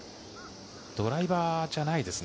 ドライバーじゃないですね。